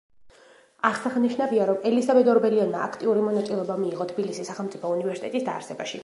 აღსანიშნავია, რომ ელისაბედ ორბელიანმა აქტიური მონაწილეობა მიიღო თბილისის სახელმწიფო უნივერსიტეტის დაარსებაში.